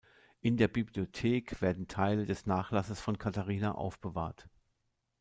In der Bibliothek werden Teile des Nachlasses von Katharina aufbewahrt.